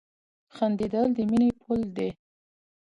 • خندېدل د مینې پل دی.